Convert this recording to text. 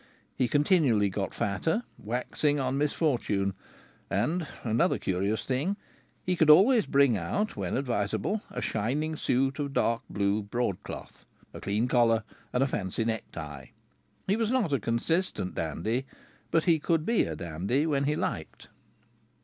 He continually got fatter, waxing on misfortune. And another curious thing he could always bring out, when advisable, a shining suit of dark blue broadcloth, a clean collar and a fancy necktie. He was not a consistent dandy, but he could be a dandy when he liked.